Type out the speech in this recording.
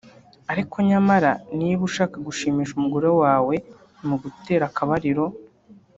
ariko nyamara niba ushaka gushimisha umugore wawe mu gutera akabariro